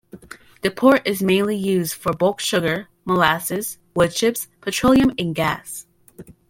The port is mainly used for bulk sugar, molasses, woodchips, petroleum and gas.